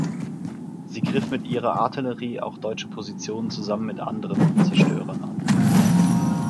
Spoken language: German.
Sie griff mit ihrer Artillerie auch deutsche Positionen zusammen mit anderen Zerstörern an.